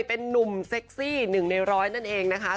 เป็นนุ่มเซ็กซี่๑ใน๑๐๐นั่นเองนะคะ